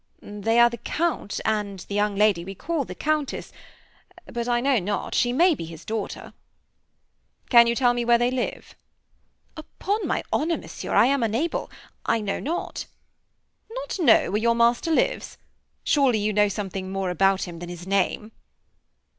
"They are the Count, and the young lady we call the Countess but I know not, she may be his daughter." "Can you tell me where they live?" "Upon my honor, Monsieur, I am unable I know not." "Not know where your master lives! Surely you know something more about him than his name?"